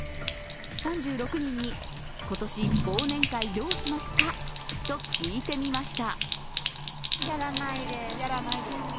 ３６人に、今年忘年会どうしますか？と聞いてみました。